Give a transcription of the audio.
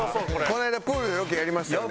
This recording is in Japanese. この間プールでロケやりましたよね。